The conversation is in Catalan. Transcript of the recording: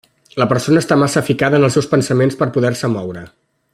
La persona està massa ficada en els seus pensaments per poder-se moure.